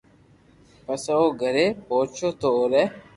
پسي او گھري پوچيو تو اوري